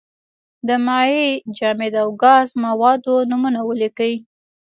د مایع، جامد او ګاز موادو نومونه ولیکئ.